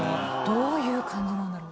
どういう感じなんだろう？